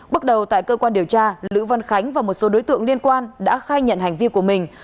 bước đầu tại cơ quan điều tra lữ văn khánh và một số đối tượng liên quan đã khai nhận hành vi của mình